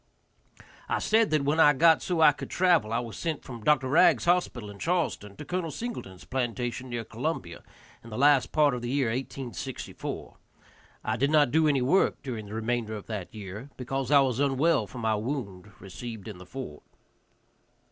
I said that when I got so I could travel I was sent from Dr. Ragg's hospital in Charleston to Col. Singleton's plantation near Columbia, in the last part of the year 1864. I did not do any work during the remainder of that year, because I was unwell from my wound received in the fort.